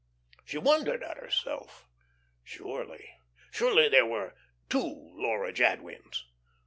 She wondered at herself. Surely, surely there were two Laura Jadwins.